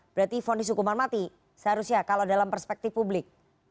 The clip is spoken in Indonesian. berarti fonis hukuman mati seharusnya kalau dalam perspektif publik